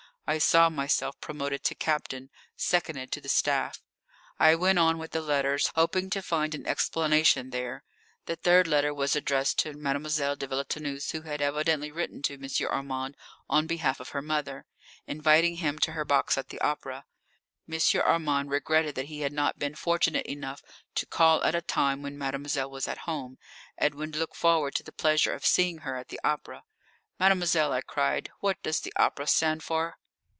I saw myself promoted to captain, seconded to the staff. I went on with the letters, hoping to find an explanation there. The third letter was addressed to Mademoiselle de Villetaneuse, who had evidently written to M. Armand on behalf of her mother, inviting him to her box at the opera. M. Armand regretted that he had not been fortunate enough to call at a time when mademoiselle was at home, and would look forward to the pleasure of seeing her at the Opera. "Mademoiselle," I cried, "what does the Opera stand for?"